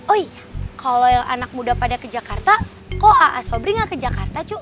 oh iya kalau yang anak muda pada ke jakarta kok aa sobri gak ke jakarta yuk